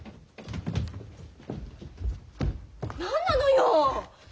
何なのよ！